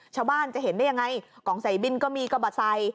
ชาวบ้านจะเห็นได้ยังไงกล่องใส่บินก็มีกระบะใส่